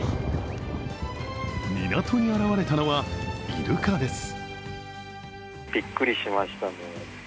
港に現れたのは、いるかです。